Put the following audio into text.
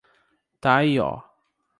Taió